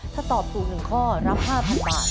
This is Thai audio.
ถ้าตอบถูก๑ข้อรับ๕๐๐บาท